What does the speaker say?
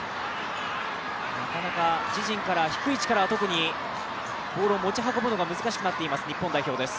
なかなか自陣から、低い位置からボールを持ち運ぶのが難しくなっています、日本代表です